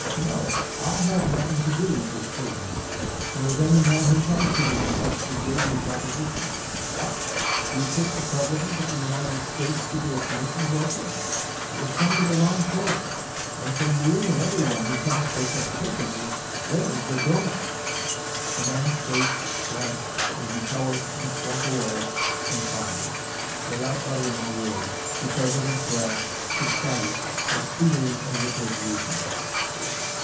'No! I'll have nothing to do with this business, nor with any man who comes to me with such degrading propositions. What! Do you take the President of the United States to be a commission broker? You have come to the wrong place; and for you and every one who comes for such purposes, there is the door!' The man's face blanched as he cowered and slunk away confounded, without uttering a word. The President's wrath subsided as speedily as it had risen."